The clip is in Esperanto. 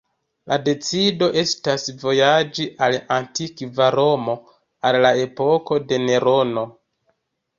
La decido estas vojaĝi al antikva Romo, al la epoko de Nerono.